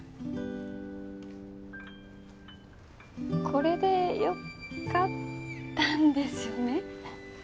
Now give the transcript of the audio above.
これでよかったんですよね？